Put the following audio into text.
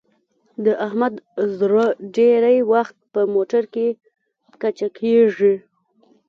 د احمد زړه ډېری وخت په موټرکې کچه کېږي.